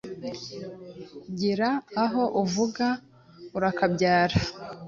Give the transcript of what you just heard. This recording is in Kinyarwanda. gira aho uvuka, urakabyara,